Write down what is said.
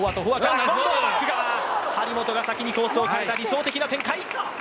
張本が先にコースを変えた理想的な展開。